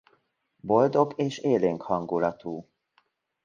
Boldog és élénk hangulatú.